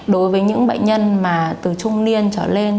đối với những bệnh nhân mà từ trung niên trở lên